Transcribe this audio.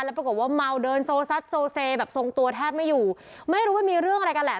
ปรากฏว่าเมาเดินโซซัดโซเซแบบทรงตัวแทบไม่อยู่ไม่รู้ว่ามีเรื่องอะไรกันแหละ